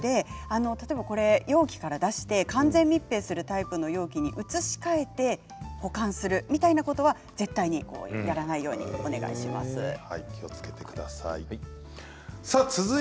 容器から出して完全密閉するタイプの容器に移し替えて保管するみたいなことは絶対にやらないように気をつけてください。